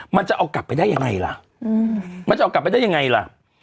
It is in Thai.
มันจะเอากลับไปได้ยังไงล่ะมันจะเอากลับไปได้ยังไงล่ะ